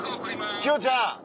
キヨちゃん。